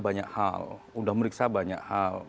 banyak hal udah meriksa banyak hal